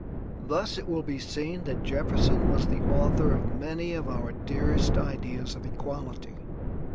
Thus it will be seen that Jefferson was the author of many of our dearest ideas of equality.